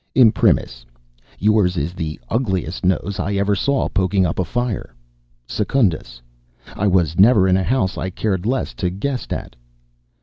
"Imprimis, yours is the ugliest nose I ever saw poking up a fire. Secundus, I was never in a house I cared less to guest at.